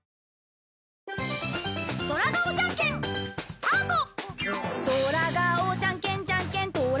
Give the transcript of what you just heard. スタート！